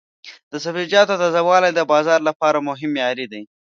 د سبزیجاتو تازه والی د بازار لپاره مهم معیار دی.